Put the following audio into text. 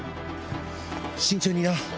慎重にな。